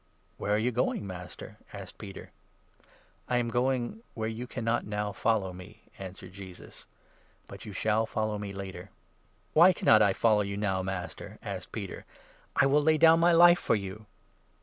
" Where are you going, Master? " asked Peter. 36 " I am going where you cannot now follow me," answered Jesus, " but you shall follow me later." " Why cannot I follow you now, Master? " asked Peter. " I 37 will lay down my life for you."